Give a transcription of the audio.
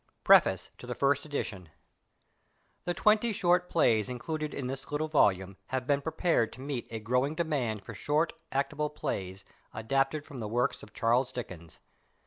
PREFACE TO THE FIRST EDITION The twenty Short Plays included in this little volume have been prepared to meet a growing demand for short actable plays adapted from the works of Charles Dickens.